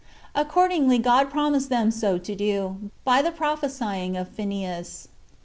Accordingly God promised them so to do, by the prophesying of Phineas. 11.